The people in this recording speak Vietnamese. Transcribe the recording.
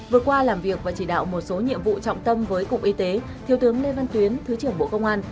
vừa qua làm việc và chỉ đạo một số nhiệm vụ trọng tâm với cục y tế thiếu tướng lê văn tuyến thứ trưởng bộ công an